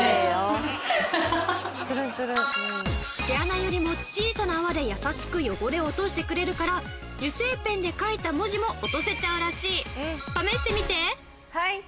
毛穴よりも小さな泡で優しく汚れを落としてくれるから油性ペンで書いた文字も落とせちゃうらしい。